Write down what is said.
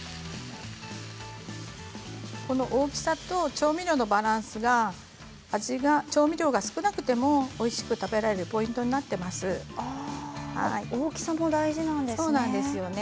この大きさと調味料のバランスが調味料が少なくてもおいしく食べられる大きさも大事なんですね。